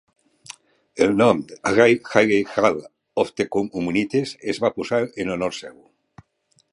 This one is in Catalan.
El nom Hagey Hall of the Humanities es va posar en honor seu.